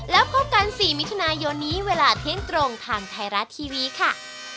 แล้วพบกัน๔มิถุนายนนี้เวลาเที่ยงตรงทางไทยรัฐทีวีค่ะ